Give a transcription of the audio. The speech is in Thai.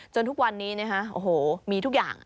ทุกวันนี้นะฮะโอ้โหมีทุกอย่าง